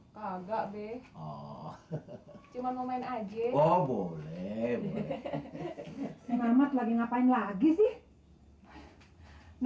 cuma mau main aja boleh boleh lagi sih